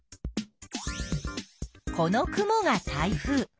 この雲が台風。